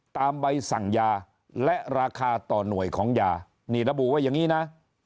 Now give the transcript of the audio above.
ตามใบสั่งยาและราคาต่อหน่วยของยานี่ระบุไว้อย่างนี้นะ